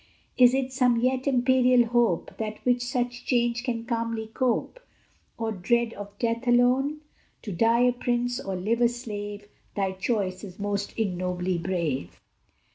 Is it some yet imperial hope That with such change can calmly cope, Or dread of death alone? To die a prince, or live a slave Thy choice is most ignobly brave!